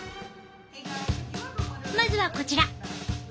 まずはこちら！